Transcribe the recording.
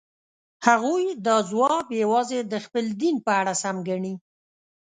هغوی دا ځواب یوازې د خپل دین په اړه سم ګڼي.